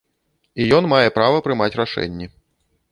І ён мае права прымаць рашэнні.